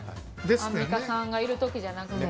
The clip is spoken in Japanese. アンミカさんがいる時じゃなく。